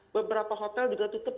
beberapa hotel juga tutup